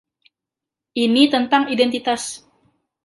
Ini tentang identitas.